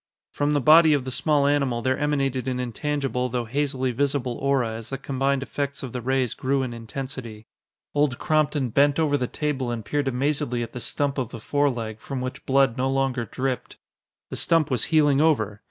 From the body of the small animal there emanated an intangible though hazily visible aura as the combined effects of the rays grew in intensity. Old Crompton bent over the table and peered amazedly at the stump of the foreleg, from which blood no longer dripped. The stump was healing over!